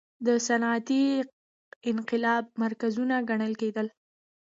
د صنعتي انقلاب مرکزونه ګڼل کېدل.